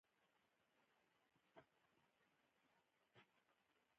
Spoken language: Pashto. د نااګاهۍ له مخې رامنځته شوې تېروتنې لپاره خپله بښنه وړاندې کوم.